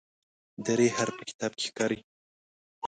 د "ر" حرف په کتاب کې ښکاري.